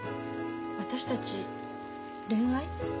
私たち恋愛？